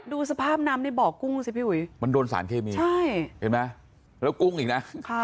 ดูสภาพน้ำในบ่อกุ้งสิพี่อุ๋ยมันโดนสารเคมีใช่เห็นไหมแล้วกุ้งอีกนะ